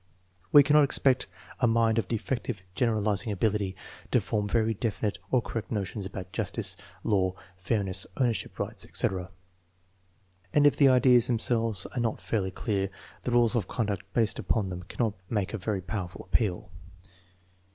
We cannot expect a mind of defective generalizing ability to form very definite or correct notions about justice, law, fairness, ownership rights, etc.; and if the ideas themselves are not fairly clear, the rules of conduct based upon them cannot make a very powerful appeal.